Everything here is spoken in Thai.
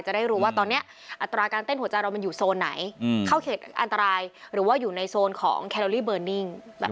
จะได้รู้ว่าตอนนี้อัตราการเต้นหัวใจเรามันอยู่โซนไหนเข้าเขตอันตรายหรือว่าอยู่ในโซนของแคลอรี่เบอร์นิ่ง